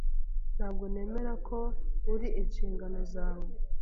Ntabwo nemera ko uri inshingano zawe.